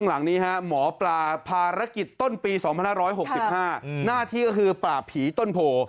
หลังนี้หมอปลาภารกิจต้นปี๒๕๖๕หน้าที่ผีต้นโภ